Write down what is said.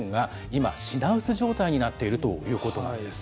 今、品薄状態になっているということなんです。